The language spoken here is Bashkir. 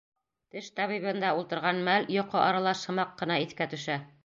Теш табибында ултырған мәл йоҡо аралаш һымаҡ ҡына иҫкә төшә.